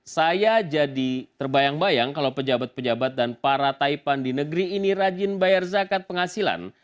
saya jadi terbayang bayang kalau pejabat pejabat dan para taipan di negeri ini rajin bayar zakat penghasilan